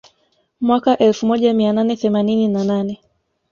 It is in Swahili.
Mwaka elfu moja mia nane themanini na nane